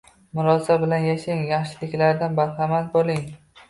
murosa bilan yashang, yaxshiliklaridan bahramand bo‘ling